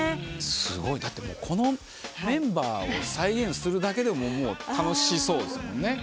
すごいだってもうこのメンバーを再現するだけでももう楽しそうですもんね。